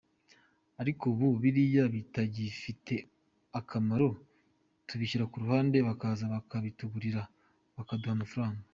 Ariko ubu biriya bitagifite akamaro tubishyira ku ruhande bakaza bakabitugurira bakaduha amafaranga.